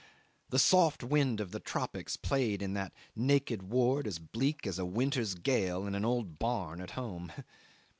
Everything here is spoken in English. The soft wind of the tropics played in that naked ward as bleak as a winter's gale in an old barn at home.